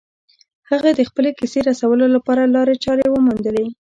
هغه د خپلې کیسې رسولو لپاره لارې چارې وموندلې